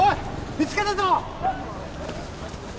見つけたぞ！